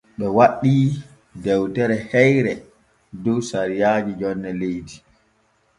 Ɓe waɗii dewtere heyre dow sariyaaji jonne leydi.